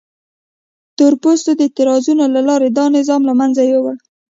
تور پوستو د اعتراضونو له لارې دا نظام له منځه یووړ.